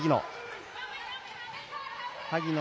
萩野。